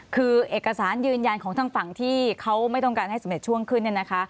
คือเอกสารยืนยันของทางฝั่งที่เขาไม่ต้องการให้สำเร็จช่วงขึ้นเนี่ยนะคะ